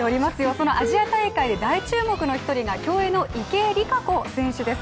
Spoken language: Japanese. そのアジア大会で大注目の１人が競泳の池江璃花子選手です。